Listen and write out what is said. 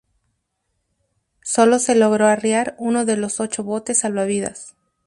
Solo se logró arriar uno de los ocho botes salvavidas.